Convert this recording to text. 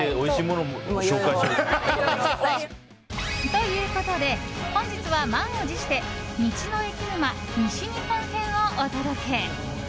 ということで本日は満を持して道の駅沼西日本編をお届け。